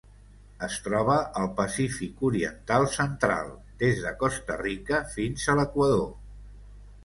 Es troba al Pacífic oriental central: des de Costa Rica fins a l'Equador.